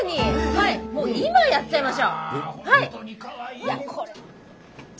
はいもう今やっちゃいましょう。